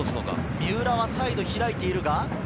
三浦はサイドひらいている。